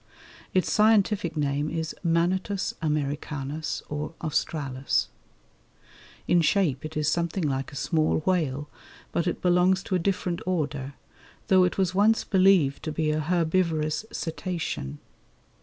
Its scientific name is Manatus americanus or australis. In shape it is something like a small whale; but it belongs to a different order, though it was once believed to be a herbivorous cetacean.